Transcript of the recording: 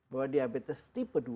bahwa diabetes tipe dua